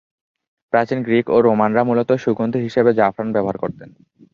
প্রাচীন গ্রীক ও রোমানরা মূলত সুগন্ধি হিসেবে জাফরান ব্যবহার করতেন।